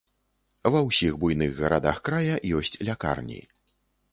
Ва ўсіх буйных гарадах края ёсць лякарні.